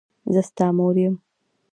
زه ستا مور یم.